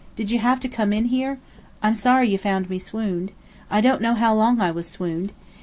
Did you have to come in here? I'm sorry you found me swooned. I don't know how long I was swooned.